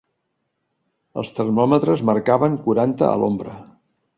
Els termòmetres marcaven quaranta a l'ombra.